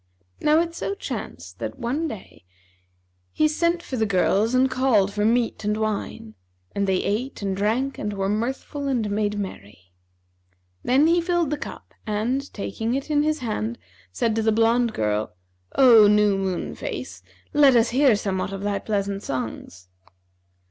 Now it so chanced that, one day, he sent for the girls and called for meat and wine; and they ate and drank and were mirthful and made merry Then he filled the cup and, taking it in his hand, said to the blonde girl, 'O new moon face, let us hear somewhat of thy pleasant songs.'